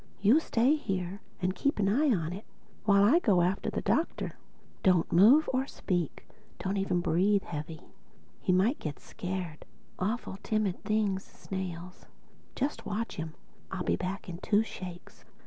You stay here and keep an eye on it while I go after the Doctor. Don't move or speak—don't even breathe heavy: he might get scared—awful timid things, snails. Just watch him; and I'll be back in two shakes."